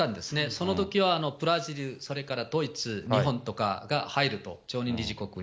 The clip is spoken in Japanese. そのときはブラジル、ドイツ、それから日本とかが入ると、常任理事国。